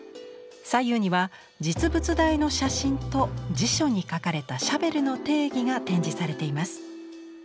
左右には実物大の写真と辞書に書かれたシャベルの定義が展示されています。